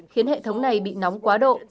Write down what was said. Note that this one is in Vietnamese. khiến hệ thống này bị nóng quá độ